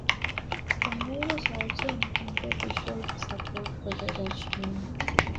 The move was also intended to show their support for the Dutch team.